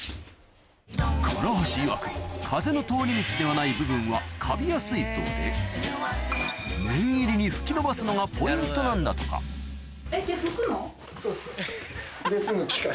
唐橋いわく風の通り道ではない部分はカビやすいそうで念入りに拭き伸ばすのがポイントなんだとかそうそうそうで。